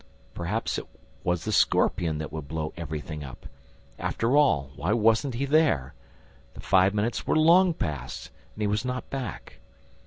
Perhaps it was the scorpion that would blow everything up. After all, why wasn't he there? The five minutes were long past ... and he was not back...